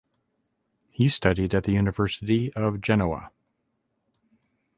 He studied at the University of Genoa.